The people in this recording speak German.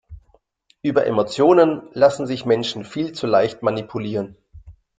Über Emotionen lassen sich Menschen viel zu leicht manipulieren.